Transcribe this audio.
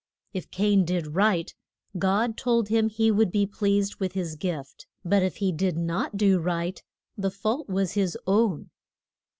If Cain did right God told him he would be pleased with his gift; but if he did not do right, the fault was his own.